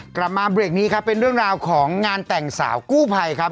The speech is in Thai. กลับมาเบรกนี้ครับเป็นเรื่องราวของงานแต่งสาวกู้ภัยครับ